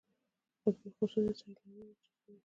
قطبي خرسونه سیلانیان ورجذبوي.